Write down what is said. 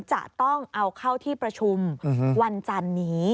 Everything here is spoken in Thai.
จะต้องเอาเข้าที่ประชุมวันจันนี้